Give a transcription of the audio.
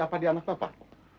apa di anak bapak